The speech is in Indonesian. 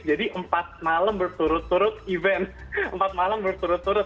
jadi empat malam berturut turut event empat malam berturut turut